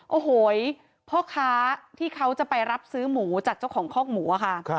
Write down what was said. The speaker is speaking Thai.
โอ้โหพ่อค้าที่เขาจะไปรับซื้อหมูจากเจ้าของคอกหมูค่ะ